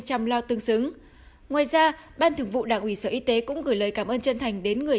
chăm lo tương xứng ngoài ra ban thường vụ đảng ủy sở y tế cũng gửi lời cảm ơn chân thành đến người